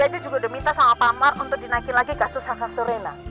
dia juga udah minta sama pamar untuk dinaikin lagi kasus hak hak se rena